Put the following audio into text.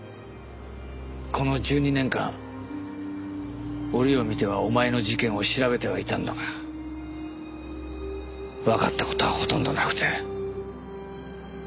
この１２年間折を見てはお前の事件を調べてはいたんだがわかった事はほとんどなくて。